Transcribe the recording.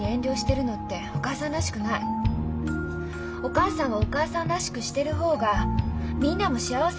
お母さんはお母さんらしくしてる方がみんなも幸せでいられるのよ。